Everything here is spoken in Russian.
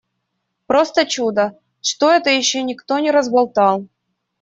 Просто чудо, что это ещё никто не разболтал.